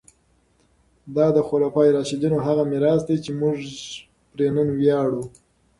دا د خلفای راشدینو هغه میراث دی چې موږ پرې نن ویاړو.